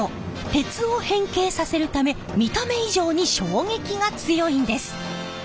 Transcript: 鉄を変形させるため見た目以上に衝撃が強いんです！